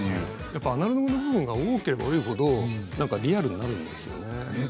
アナログな部分が多ければ多いほどリアルになるんです。